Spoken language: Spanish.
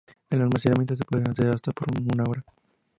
El almacenamiento se puede hacer hasta por una hora.